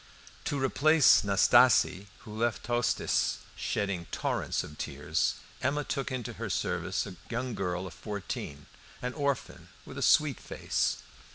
To replace Nastasie (who left Tostes shedding torrents of tears) Emma took into her service a young girl of fourteen, an orphan with a sweet face.